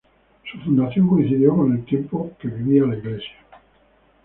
Su fundación coincidió con el tiempo que vivía la Iglesia.